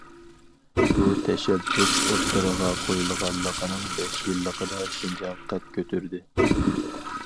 بۇ تەشەببۇس ئوتتۇرىغا قويۇلغانلىقىنىڭ بەش يىللىقىدا، شىنجاڭ قەد كۆتۈردى.